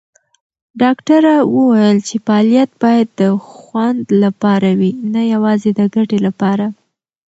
ډاکټره وویل چې فعالیت باید د خوند لپاره وي، نه یوازې د ګټې لپاره.